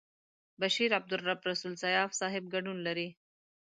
بشپړ عبدالرب رسول سياف صاحب ګډون لري.